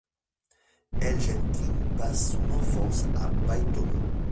Engelking passe son enfance à Bytom.